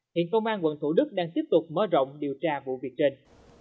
hiện công an quận thủ đức đang tiếp tục mở rộng điều tra vụ việc trên